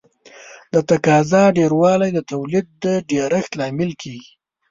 د تقاضا ډېروالی د تولید د ډېرښت لامل کیږي.